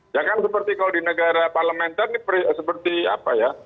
ya kan seperti kalau di negara parlementer ini seperti apa ya